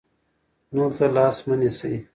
نورو ته لاس مه نیسئ.